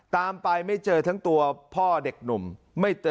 ตามไปไม่เจอทั้งตัวพ่อเด็กหนุ่มไม่เจอ